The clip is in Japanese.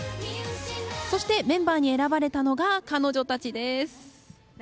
そして、メンバーに選ばれたのが彼女たちです。